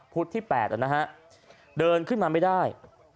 ที่๘นะฮะเดินขึ้นมาไม่ได้